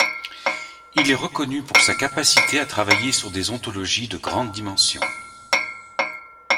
Il est reconnu pour sa capacité à travailler sur des ontologies de grandes dimensions.